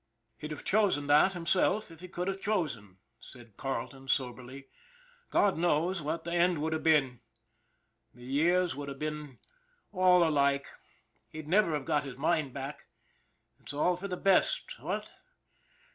" He'd have chosen that himself if he could have chosen," said Carleton soberly. " God knows what the end would have been. The years would have been all 176 ON THE IRON AT BIG CLOUD alike, he'd never have got his mind back. It's all for the best, what